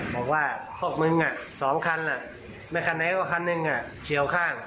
บอกว่าพวกมึง๒คันไม่คันไหนก็คันหนึ่งเฉียวข้าง